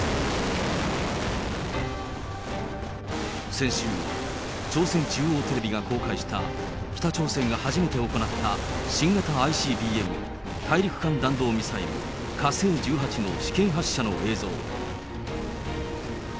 先週、朝鮮中央テレビが公開した、北朝鮮が初めて行った新型ＩＣＢＭ・大陸間弾道ミサイル火星１８の試験発射の映像。